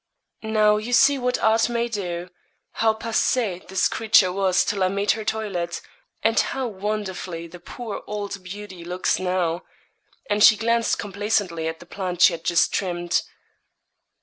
'Now, you see what art may do; how passée this creature was till I made her toilet, and how wonderfully the poor old beauty looks now,' and she glanced complacently at the plant she had just trimmed.